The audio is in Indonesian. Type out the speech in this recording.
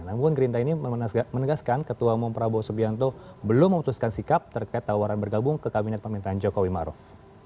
namun gerindra ini menegaskan ketua umum prabowo subianto belum memutuskan sikap terkait tawaran bergabung ke kabinet pemerintahan jokowi maruf